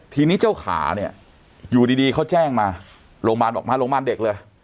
ทีนี้เจ้าขาเนี่ยอยู่ดีเขาแจ้งมาโรงพยาบาลบอกมาโรงพยาบาลเด็กเลย